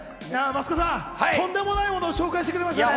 増子さん、とんでもないものを紹介してくれましたね。